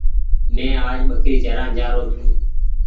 مينٚ آج ٻڪري چران جآرو ڇوٚنٚ